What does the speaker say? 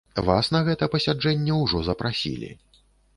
Вас на гэта пасяджэнне ўжо запрасілі.